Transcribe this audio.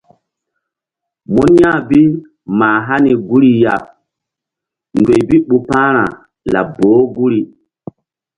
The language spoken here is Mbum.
Mun ya̧h bi mah hani guri ya ndoy bi ɓu pa̧hra laɓ boh guri.